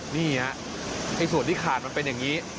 นี่ฮะส่วนที่ขาดมันเป็นอย่างนี้